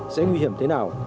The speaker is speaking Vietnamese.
sẽ nguy hiểm thế nào